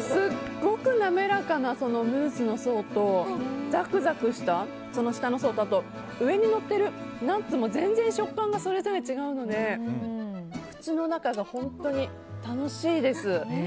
すごく滑らかなムースの層とザクザクした下の層と上にのっているナッツも全然食感がそれぞれ違うので口の中が本当に楽しいです。